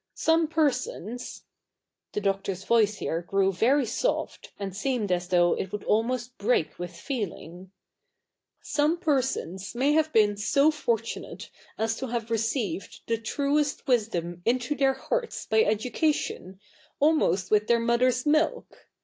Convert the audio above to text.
Some persotis '— the Doctor's voice here grew very soft, and seemed as though it would almost break with feeling —^ some persons 7?iay have been so fortunate as to have received the truest wisdom into their hearts by education^ ahnost zvith their mother's milk.